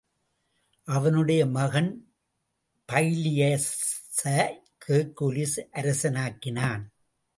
அவனுடைய மகன் பைலியஸை ஹெர்க்குலிஸ் அரசனாக்கினான்.